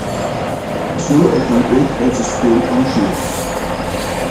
We zullen er dan ook onze steun aan geven.